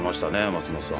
松本さん